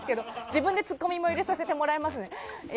自分でツッコミも入れさせてもらいますね。